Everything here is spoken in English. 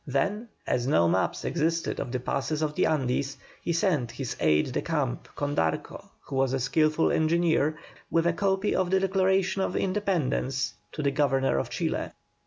Then as no maps existed of the passes of the Andes, he sent his aide de camp Condarco, who was a skilful engineer, with a copy of the Declaration of Independence to the Governor of Chile.